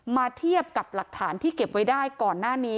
เทียบกับหลักฐานที่เก็บไว้ได้ก่อนหน้านี้